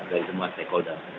dari semua stakeholder